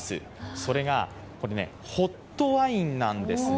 それがこれ、ホットワインなんですね。